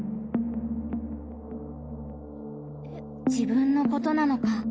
「自分のことなのか」。